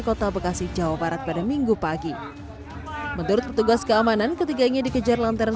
kota bekasi jawa barat pada minggu pagi menurut petugas keamanan ketiganya dikejar lantaran